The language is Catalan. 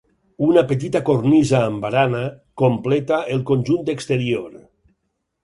Una petita cornisa amb barana completa el conjunt exterior.